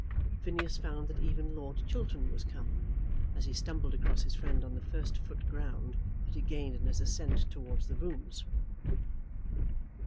Phineas found that even Lord Chiltern was come, as he stumbled across his friend on the first foot ground that he gained in his ascent towards the rooms.